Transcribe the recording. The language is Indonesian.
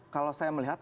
kalau saya melihat